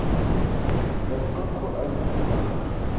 Bavuga ko azi ibanga.